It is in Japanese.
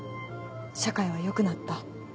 社会は良くなった。